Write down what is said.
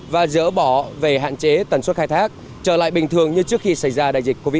và dỡ bỏ về hạn chế tần suất khai thác trở lại bình thường như trước khi xảy ra đại dịch covid một mươi